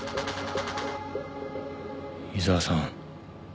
井沢さん。